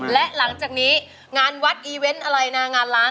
และหลังจากนี้งานวัดอีเวนต์อะไรนะงานล้าง